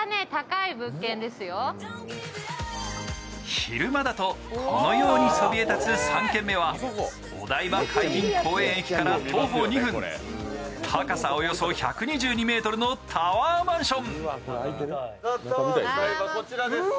昼間だとこのようにそびえ立つ３軒目はお台場海浜公園駅から徒歩２分、高さおよそ１２２ｍのタワーマンション。